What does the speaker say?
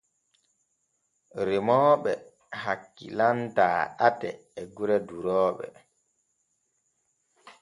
Remooɓe hakkilantaa ate e gure durooɓe.